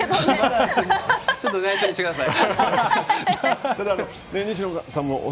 ちょっとないしょにしてください。